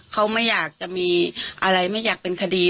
เขาไม่อยากจะมีอะไรไม่อยากเป็นคดี